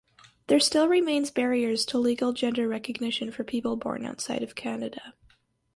There still remains barriers to legal gender recognition for people born outside of Canada.